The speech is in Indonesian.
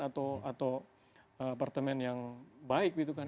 atau apartemen yang baik gitu kan